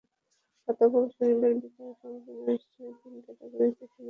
গতকাল শনিবার বিকেলে সমাপনী অনুষ্ঠানে তিন ক্যাটাগরির সেরাদের পুরস্কৃত করা হয়।